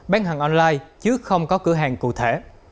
bán hàng online chứ không có cửa hàng cụ thể